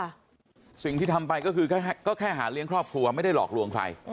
สิ่งที่ทำไปก็คือแค่ก็แค่หาเลี้ยงครอบครัวไม่ได้หลอกลวงใคร